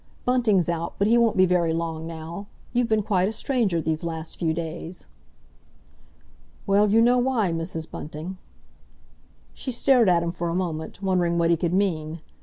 Bunting's out, but he won't be very long now. You've been quite a stranger these last few days." "Well, you know why, Mrs. Bunting—" She stared at him for a moment, wondering what he could mean.